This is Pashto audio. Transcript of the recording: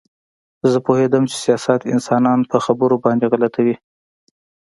زه پوهېدم چې سیاست انسانان په خبرو باندې غلطوي